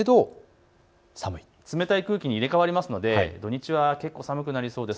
冷たい空気に入れ代わりますので土日は結構、寒くなりそうです。